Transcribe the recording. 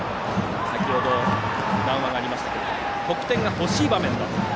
先ほど、談話がありましたが得点が欲しい場面だったと。